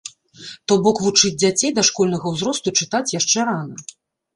То бок вучыць дзяцей дашкольнага ўзросту чытаць яшчэ рана.